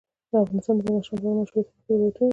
افغانستان د بدخشان په اړه مشهور تاریخی روایتونه لري.